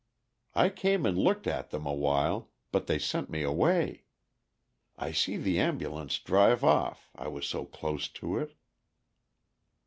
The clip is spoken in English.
I came and looked at them awhile, but they sent me away. I see the ambulance drive off. I was close to it."